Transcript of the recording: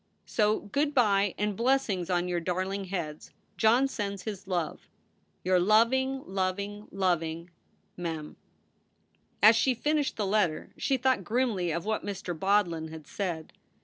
So good by and blessings on your darling heads. John sends his love. Your loveing, loveing, loveing MEM. As she finished the letter she thought grimly of what Mr. Bodlin had said.